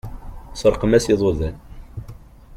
Seṛqem-as iḍudan.